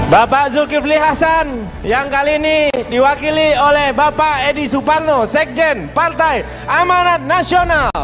bapak zulkifli hasan yang kali ini diwakili oleh bapak edi suparno sekjen partai amanat nasional